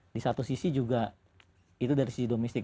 di satu sisi juga itu dari sisi domestik